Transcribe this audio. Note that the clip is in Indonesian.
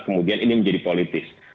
kemudian ini menjadi politis